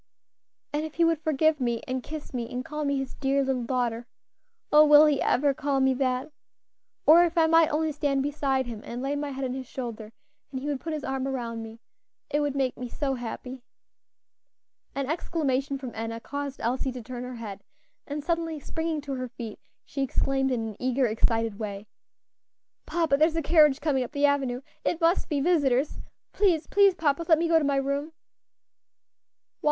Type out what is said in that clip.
And if he would forgive me, and kiss me, and call me his dear little daughter. Oh! will he ever call me that? Or if I, might only stand beside him and lay my head on his shoulder, and he would put his arm around me, it would make me so happy." An exclamation from Enna caused Elsie to turn her head, and suddenly springing to her feet, she exclaimed in an eager, excited way, "Papa, there is a carriage coming up the avenue it must be visitors; please, please, papa, let me go to my room." "Why?"